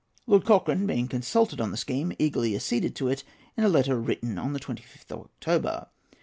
Lord Cochrane, being consulted on the scheme, eagerly acceded to it in a letter written on the 25th of October.